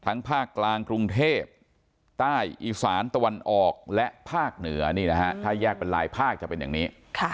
ภาคกลางกรุงเทพใต้อีสานตะวันออกและภาคเหนือนี่นะฮะถ้าแยกเป็นลายภาคจะเป็นอย่างนี้